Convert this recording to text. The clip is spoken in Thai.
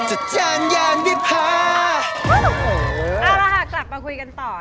เอาละค่ะกลับมาคุยกันต่อ